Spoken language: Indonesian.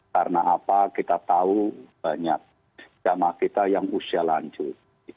karena apa kita tahu banyak jamaah kita yang usia lanjut